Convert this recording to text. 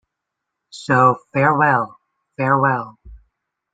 So farewell, farewell.